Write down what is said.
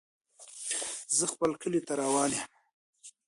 زه خپل کلي ته روان يم.